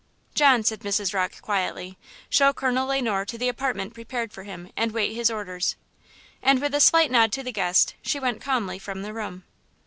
"John," said Mrs. Rocke, quietly, "show Colonel Le Noir to the apartment prepared for him and wait his orders." And with a slight nod to the guest she went calmly from the room.